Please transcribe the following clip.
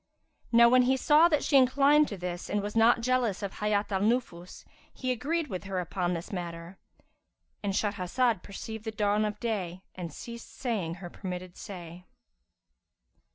"[FN#355] Now when he saw that she inclined to this and was not jealous of Hayat al Nufus, he agreed with her upon this matter.—And Shahrazad perceived the dawn of day and ceased saying her permitted say.